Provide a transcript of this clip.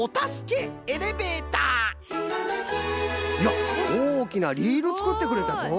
やっおおきなリールつくってくれたぞ！